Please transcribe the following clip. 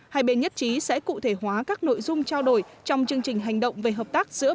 hai bên nhất trí sẽ cụ thể hóa các nội dung trao đổi trong chương trình hành động về hợp tác giữa